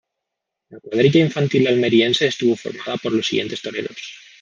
La cuadrilla infantil almeriense estuvo formada por los siguientes toreros.